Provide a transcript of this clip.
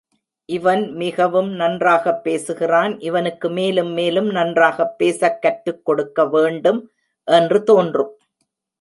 இவன் மிகவும் நன்றாகப் பேசுகிறான் இவனுக்கு மேலும் மேலும் நன்றாகப் பேசக் கற்றுக் கொடுக்க வேண்டும் என்று தோன்றும்.